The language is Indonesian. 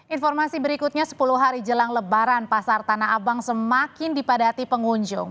informasi berikutnya sepuluh hari jelang lebaran pasar tanah abang semakin dipadati pengunjung